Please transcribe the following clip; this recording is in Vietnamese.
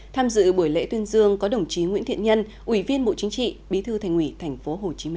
tham dự buổi lễ tuyên dương có đồng chí nguyễn thiện nhân ủy viên bộ chính trị bí thư thành ủy tp hcm